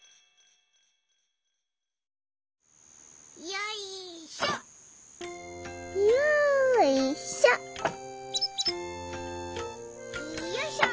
よいしょ！